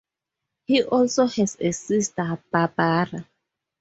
He also has a sister, Barbara.